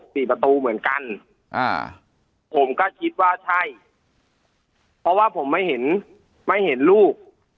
สี่ประตูเหมือนกันอ่าผมก็คิดว่าใช่เพราะว่าผมไม่เห็นไม่เห็นลูก